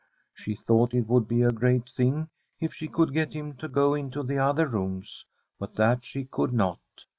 She thought it would be a great thing if she could get him to go into the other rooms, but that she could not.